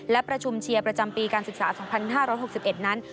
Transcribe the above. และประชุมเชียร์ประจำปีการศึกษา๒๕๖๑นั้น